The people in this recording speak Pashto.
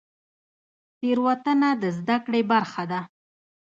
تیروتنه د زده کړې برخه ده